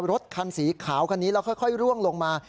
รถคันสีขาวคันนี้แล้วค่อยร่วงลงมา